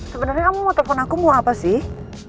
sebenarnya kamu mau telepon aku mau apa sih